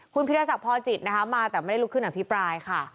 คุณพิทัศน์ศักดิ์พอร์จิตมาแต่ไม่ได้ลุกขึ้นอภิปรายค่ะ